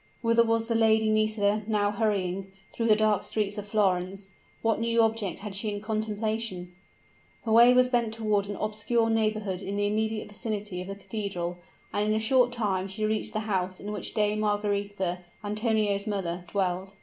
Whither was the Lady Nisida now hurrying, through the dark streets of Florence? what new object had she in contemplation? Her way was bent toward an obscure neighborhood in the immediate vicinity of the cathedral; and in a short time she reached the house in which Dame Margaretha, Antonio's mother, dwelt.